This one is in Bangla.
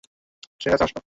সে কাছে আসলো।